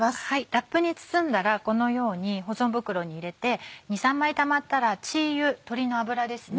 ラップに包んだらこのように保存袋に入れて２３枚たまったら鶏油鶏の油ですね。